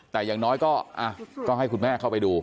แต่อย่างน้อยก็ให้คุณแม่เข้าไปดู